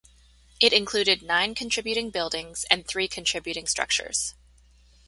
It included nine contributing buildings and three contributing structures.